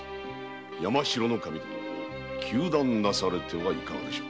山城守に糾弾なされてはいかがでしょう？